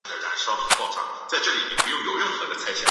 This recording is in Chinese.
病童亦会出现发大性心脏肌肉病变。